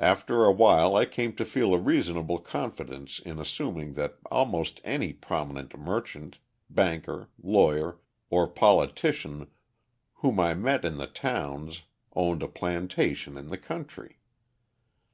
After a while I came to feel a reasonable confidence in assuming that almost any prominent merchant, banker, lawyer, or politician whom I met in the towns owned a plantation in the country.